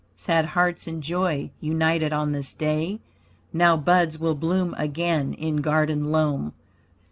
Sad hearts in joy united on this day; Now buds will bloom again in garden loam.